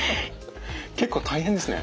結構大変ですね。